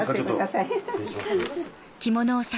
失礼します。